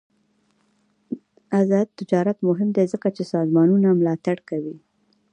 آزاد تجارت مهم دی ځکه چې سازمانونه ملاتړ کوي.